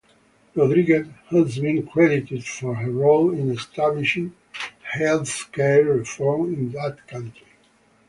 Rodriguez has been credited for her role in establishing healthcare reform in that country.